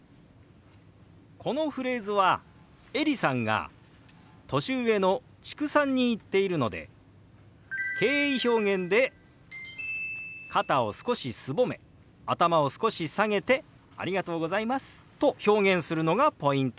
このフレーズはエリさんが年上の知久さんに言っているので敬意表現で肩を少しすぼめ頭を少し下げて「ありがとうございます」と表現するのがポイントです。